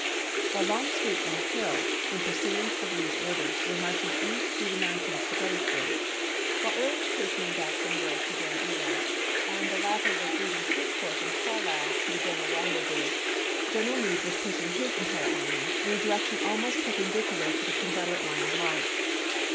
While Longstreet and Hill, in pursuance of Lee's orders, were marching east through the mountains to Gettysburg, while Early was hastening back from York to join Ewell, and the latter was leading his corps from Carlisle to the general rendezvous, General Meade was pushing his entire army in a direction almost perpendicular to the Confederate line of march.